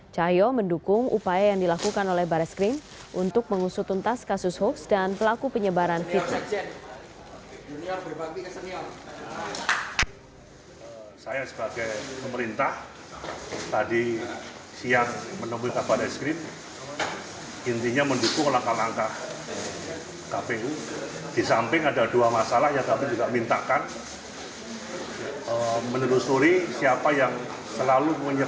cahaya mendukung upaya yang dilakukan oleh baris krim untuk mengusut untas kasus hoax dan pelaku penyebaran fitnah